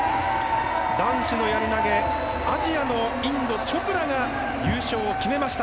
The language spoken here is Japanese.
男子のやり投げアジアのインド、チョプラが優勝を決めました。